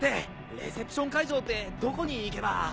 レセプション会場ってどこに行けば。